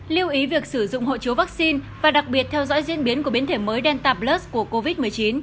lưu ý việc sử dụng hộ chiếu vaccine và đặc biệt theo dõi diễn biến của biến thể mới delta plus của covid một mươi chín